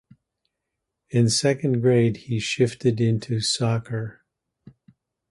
In second grade he shifted into soccer.